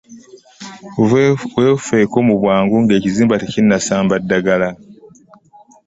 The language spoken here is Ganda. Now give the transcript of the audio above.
Weefeeko mu bwangu ng'ekizimba tekinnasamba ddagala.